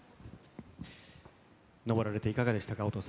登られていかがでしたか？